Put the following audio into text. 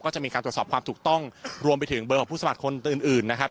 ก็จะมีการตรวจสอบความถูกต้องรวมไปถึงเบอร์ของผู้สมัครคนอื่นอื่นนะครับ